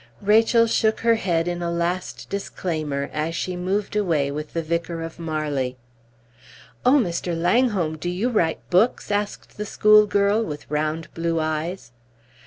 Rachel shook her head in a last disclaimer as she moved away with the Vicar of Marley. "Oh, Mr. Langholm, do you write books?" asked the schoolgirl, with round blue eyes.